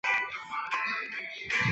跑去旁边大卖场